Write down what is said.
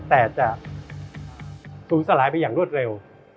แต่จะศูนย์สลายไปอย่างรวดเร็ว